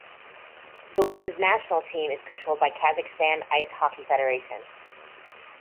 The women's national team is controlled by Kazakhstan Ice Hockey Federation.